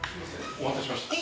お待たせしました。